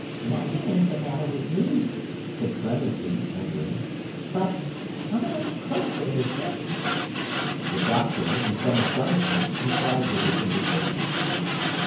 'Nothing an't the matter with me,' said Clemency, entering, 'but—come a little closer, Mister.' The Doctor, in some astonishment, complied with this invitation.